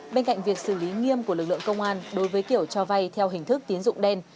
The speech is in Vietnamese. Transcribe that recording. bên cạnh việc xử lý nghiêm của lực lượng công an đối với kiểu cho vay theo hình thức tín dụng đen